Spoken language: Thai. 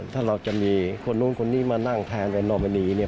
ถ้าเราจะมีคนนู้นคนนี้มานั่งแทนกันนอมณีเนี่ย